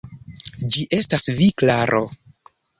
Ĝi estas vi, Klaro!